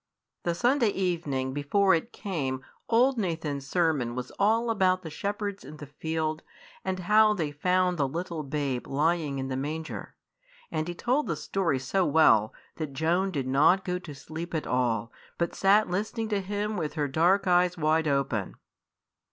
The Sunday evening before it came old Nathan's sermon was all about the shepherds in the field, and how they found the little babe lying in the manger; and he told the story so well that Joan did not go to sleep at all, but sat listening to him with her dark eyes wide open.